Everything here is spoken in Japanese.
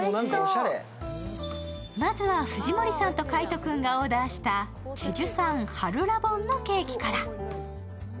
まずは藤森さんと海音君がオーダーしたチェジュ産ハルラボンのケーキから。